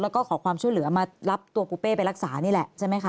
แล้วก็ขอความช่วยเหลือมารับตัวปูเป้ไปรักษานี่แหละใช่ไหมคะ